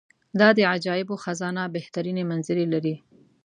دا د عجایبو خزانه بهترینې منظرې لري.